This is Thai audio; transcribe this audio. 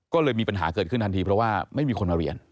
ก็เลยมีปัญหาเกิดขึ้นทันทีเพราะว่าไม่มีคนมาเรียน